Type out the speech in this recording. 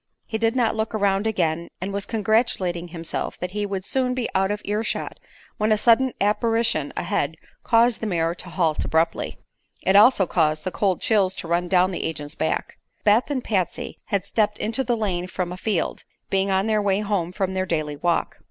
He did not look around again, and was congratulating himself that he would soon be out of earshot when a sudden apparition ahead caused the mare to halt abruptly. It also caused the cold chills to run down the agent's back. Beth and Patsy had stepped into the lane from a field, being on their way home from their daily walk.